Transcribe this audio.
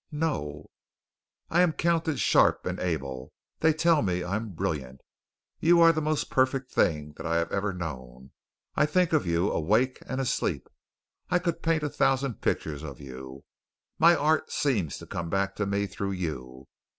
"No." "I am counted sharp and able. They tell me I am brilliant. You are the most perfect thing that I have ever known. I think of you awake and asleep. I could paint a thousand pictures of you. My art seems to come back to me through you.